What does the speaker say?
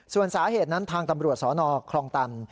ส่วนสาเหตุนั้นทางตำรวจสนคลองตัน